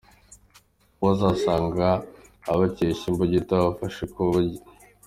Uwo uzasanga akebesha imbugita afashe ku bujyi.